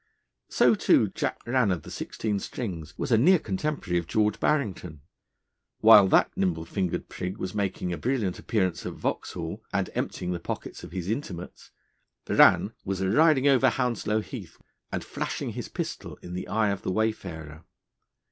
So, too, Jack Rann, of the Sixteen Strings, was a near contemporary of George Barrington. While that nimble fingered prig was making a brilliant appearance at Vauxhall, and emptying the pockets of his intimates, Rann was riding over Hounslow Heath, and flashing his pistol in the eye of the wayfarer.